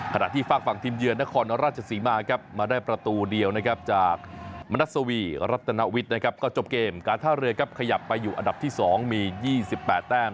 ขนาดที่ฝากฝั่งทีมเยือนนครราชซีมามาได้ประตูเดียวจากมะรัชวีรัทนวิคก็จบเกมการท่าเรือขยับเลยออกไปอยู่อันดับที่๒มี๒๘แบบ